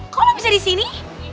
kok lo bisa di sini